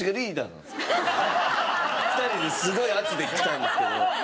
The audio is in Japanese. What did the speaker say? ２人ですごい圧できたんですけど。